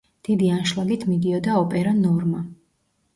დიდი ანშლაგით მიდიოდა ოპერა „ნორმა“.